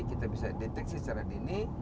kita bisa deteksi secara dini